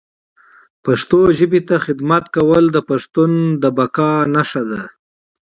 پښتو ژبي ته خدمت کول د پښتون بقا نښه ده